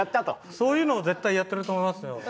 そういうのを絶対やってると思いますよ。